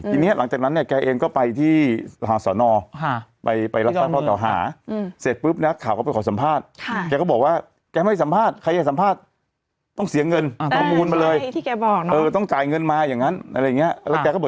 ทีนี้หลังจากนั้นเนี่ยแกเองก็ไปที่สนศนอศนอศนอศนอศนอศนอศนอศนอศนอศนอศนอศนอศนอศนอศนอศนอศนอศนอศนอศนอศนอศนอศนอศนอศนอศนอศนอศนอศนอศนอศนอศนอ